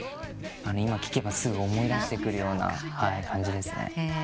今聴けばすぐ思い出してくる感じです。